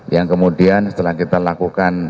yang kemudian setelah kita lakukan